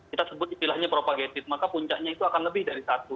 kita sebut istilahnya propagated maka puncaknya itu akan lebih dari satu